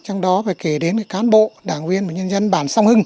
trong đó phải kể đến cán bộ đảng viên và nhân dân bản song hưng